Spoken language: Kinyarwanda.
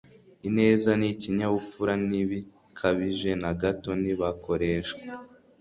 ineza n'ikinyabupfura ntibikabije na gato. ntibakoreshwa